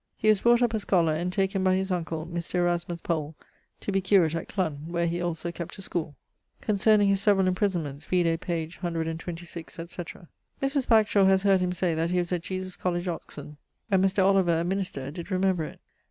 He was brought up a scholar, and taken by his uncle Mr. Erasmus Powell to be curate at Clun, where he also kept a schoole.' Concerning his severall imprisonments, vide pag. 126, etc. Mrs. Bagshawe haz heard him say that he was at Jesus College, Oxon; and Mr. Oliver, a minister, did remember it.